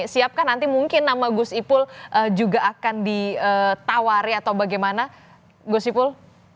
siapkan nanti mungkin nama gus ipul juga akan ditawari atau bagaimana gus ipul